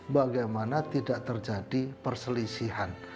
bagaimana tidak terjadi perselisihan